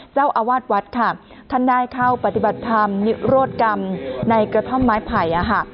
เจ้าอาวาสวัดค่ะท่านได้เข้าปฏิบัติธรรมนิโรธกรรมในกระท่อมไม้ไผ่